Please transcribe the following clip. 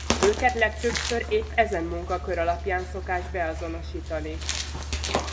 Őket legtöbbször épp ezen munkakör alapján szokás beazonosítani.